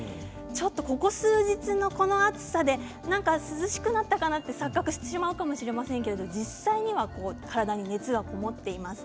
ここ数日の暑さで涼しくなったかなと錯覚してしまうかもしれませんが実際には、体に熱が籠もっています。